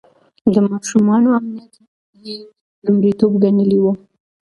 د ماشومانو امنيت يې لومړيتوب ګڼلی و.